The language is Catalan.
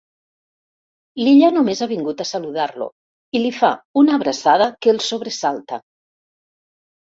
L'Illa només ha vingut a saludar-lo i li fa una abraçada que el sobresalta.